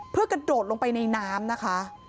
เพื่อกระโดดลงไปในน้ำนะคะ